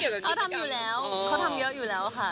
เขาทำอยู่แล้วเขาทำเยอะอยู่แล้วค่ะ